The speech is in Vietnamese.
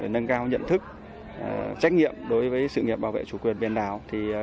nâng cao nhận thức trách nhiệm đối với sự nghiệp bảo vệ chủ quyền biển đảo